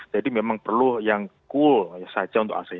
jadi memang perlu yang cool saja untuk ac nya